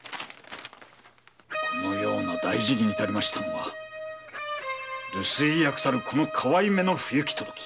このような大事に至ったのは留守居役たるこの河合の不行き届き。